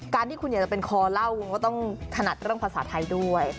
ที่คุณอยากจะเป็นคอเล่าคุณก็ต้องถนัดเรื่องภาษาไทยด้วย